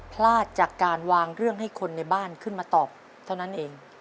พลาดจากการวางเรื่องให้คนในบ้านขึ้นมาตอบเท่านั้นเอง